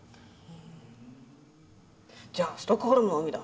じゃあストックホルムの海だ。